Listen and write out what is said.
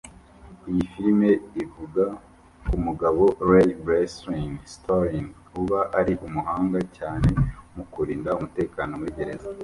Iyi filime ivuga ku mugabo Ray Breslin (Stallone) uba ari umuhanga cyane mu kurinda umutekano muri gereza